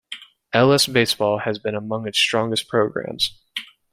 L-S baseball has been among its strongest programs.